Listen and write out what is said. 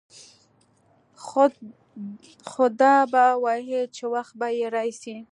خو ده به ويل چې وخت به يې راسي.